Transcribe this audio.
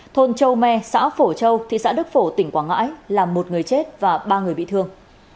thôn châu me xã phổ châu thị xã đức phổ tỉnh quảng ngãi làm một người chết và ba người bị thương